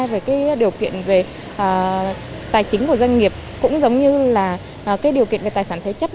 về cái điều kiện về tài chính của doanh nghiệp cũng giống như là cái điều kiện về tài sản thế chấp